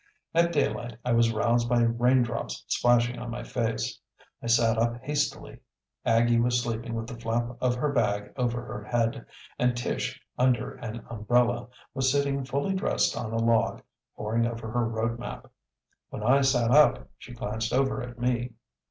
At daylight I was roused by raindrops splashing on my face. I sat up hastily. Aggie was sleeping with the flap of her bag over her head, and Tish, under an umbrella, was sitting fully dressed on a log, poring over her road map. When I sat up she glanced over at me.